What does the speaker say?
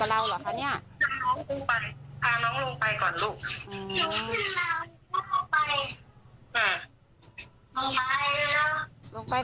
หยิบแมสให้น้องพาน้องลงไป